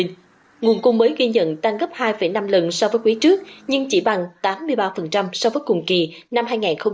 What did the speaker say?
nguồn cung mới ghi nhận tăng gấp hai năm lần so với quý trước nhưng chỉ bằng tám mươi ba so với cùng kỳ năm hai nghìn một mươi tám